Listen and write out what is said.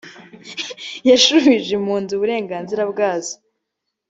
yashubije impunzi uburenganzira bwazo